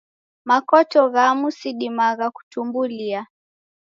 Makoto ghamu sidimagha kutumbulia.